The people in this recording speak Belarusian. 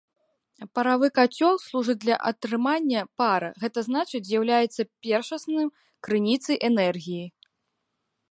Паравы кацёл служыць для атрымання пара, гэта значыць з'яўляецца першасным крыніцай энергіі.